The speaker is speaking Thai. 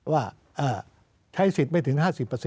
ว่าใช้สิทธิ์ไม่ถึง๕๐